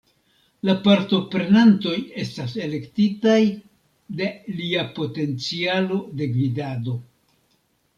La partoprenantoj estas elektitaj de lia potencialo de gvidado.